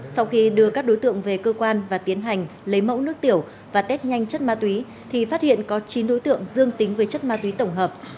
sau khi đưa các đối tượng về cơ quan và tiến hành lấy mẫu nước tiểu và test nhanh chất ma túy thì phát hiện có chín đối tượng dương tính với chất ma túy tổng hợp